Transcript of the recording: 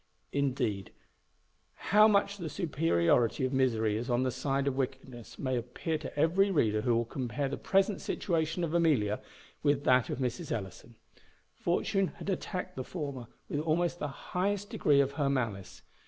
Indeed, how much the superiority of misery is on the side of wickedness may appear to every reader who will compare the present situation of Amelia with that of Mrs. Ellison. Fortune had attacked the former with almost the highest degree of her malice.